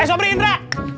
eh sobri indra